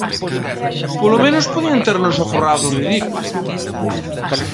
Polo menos podían ternos aforrado o ridículo!